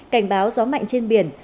cảnh báo gió mạnh trên biển